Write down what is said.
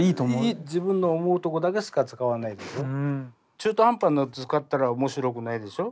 中途半端なの使ったらおもしろくないでしょ。